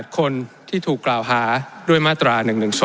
คนที่ถูกกล่าวหาด้วยมาตรา๑๑๒